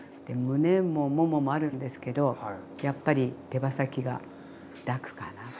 でむねももももあるんですけどやっぱり手羽先が楽かな。